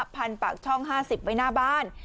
พันปากช่อง๕๐ไว้หน้าบ้าน